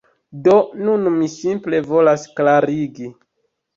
Do, nun mi simple volas klarigi